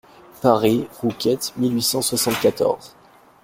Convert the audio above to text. Paris, Rouquette, mille huit cent soixante-quatorze.